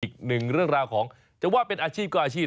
อีกหนึ่งเรื่องราวของจะว่าเป็นอาชีพก็อาชีพ